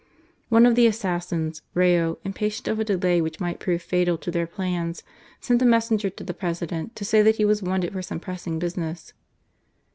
One of the assassins, Rayo, im patient of a delay which might prove fatal to their plans, sent a messenger to the President to say that he was wanted for some pressing business.